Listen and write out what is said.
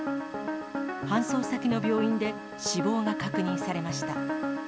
搬送先の病院で死亡が確認されました。